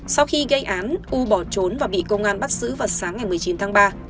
sau khi gây án u bỏ trốn và bị công an bắt giữ vào sáng ngày một mươi chín tháng ba